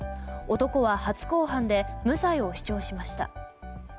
男は初公判で無罪を主張しました。